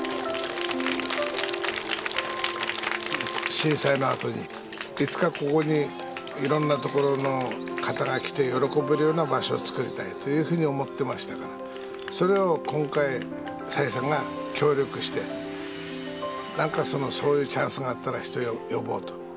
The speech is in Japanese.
震災のあとに、いつかここにいろんなところの方が来て、喜べるような場所を作りたいというふうに思っていましたから、それを今回、蔡さんが協力してなんかそういうチャンスがあったら人を呼ぼうと。